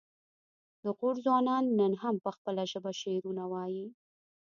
د غور ځوانان نن هم په خپله ژبه شعرونه وايي